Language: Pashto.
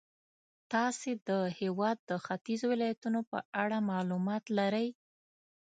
تاسې د هېواد د ختیځو ولایتونو په اړه معلومات لرئ.